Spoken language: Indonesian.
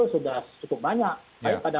sudah cukup banyak baik pada